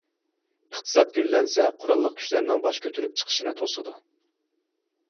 ئىقتىساد گۈللەنسە قوراللىق كۈچلەرنىڭ باش كۆتۈرۈپ چىقىشنى توسىدۇ.